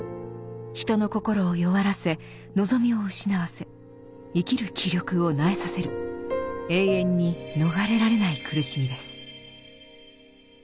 人の心を弱らせ望みを失わせ生きる気力を萎えさせる永遠に逃れられない苦しみです。